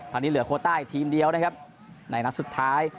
ตอนนี้เหลือโคต้าอีกทีมเดียวนะครับในนัดสุดท้าย